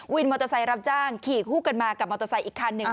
วินมอเตอร์ไซค์รับจ้างขี่คู่กันมากับมอเตอร์ไซค์อีกคันหนึ่ง